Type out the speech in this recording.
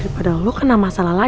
ipi mau kemana